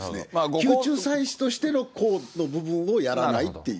宮中祭祀としての公の部分をやらないという。